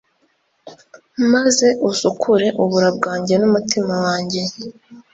maze usukure ubura bwanjye n’umutima wanjye